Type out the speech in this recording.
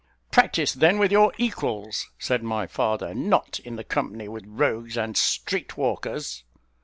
"Practise, then with your equals," said my father, "not in company with rogues and street walkers."